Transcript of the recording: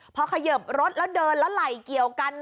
พอเขยิบรถแล้วเดินแล้วไหล่เกี่ยวกัน